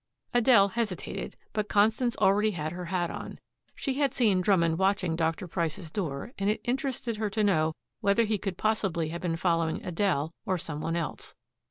Adele hesitated, but Constance already had her hat on. She had seen Drummond watching Dr. Price's door, and it interested her to know whether he could possibly have been following Adele or some one else.